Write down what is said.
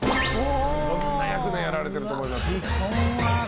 いろんな役をやられてると思いますが。